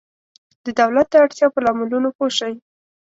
د دولت د اړتیا په لاملونو پوه شئ.